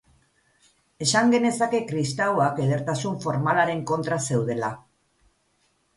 Esan genezake kristauak edertasun formalaren kontra zeudela.